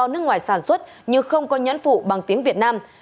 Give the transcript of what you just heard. ngoài sản xuất nhưng không có nhắn phụ bằng tiếng việt nam